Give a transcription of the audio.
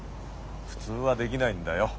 普通はできないんだよ。